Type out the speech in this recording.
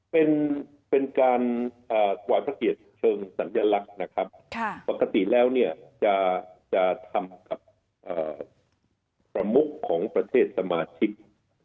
เป็นการกวาดพระเกียรติเชิงสัญลักษณ์นะครับปกติแล้วเนี่ยจะทำกับประมุขของประเทศสมาชิก